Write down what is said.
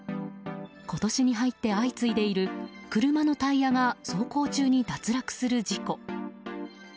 今年に入って相次いでいる車のタイヤが走行中に脱落する事故。